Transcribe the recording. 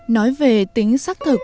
nói về tính xác thực